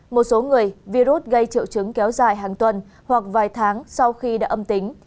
một số người virus gây triệu chứng kéo dài hàng tuần hoặc vài tháng sau khi đã âm tính